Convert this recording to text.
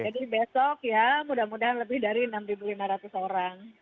jadi besok ya mudah mudahan lebih dari enam ribu lima ratus orang